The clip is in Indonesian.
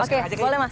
oke boleh mas